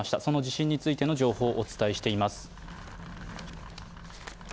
その地震についての情報をお伝えしています。